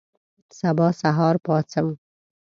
سبا سهار پاڅم